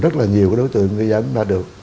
rất là nhiều đối tượng ghi dẫn ra được